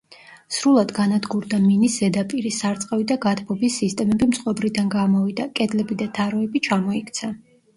სრულად განადგურდა მინის ზედაპირი, სარწყავი და გათბობის სისტემები მწყობრიდან გამოვიდა, კედლები და თაროები ჩამოიქცა.